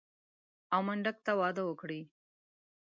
او منډک ته واده وکړي.